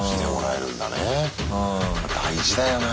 大事だよな。